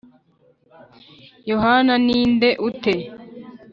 Yohana ni nde ute?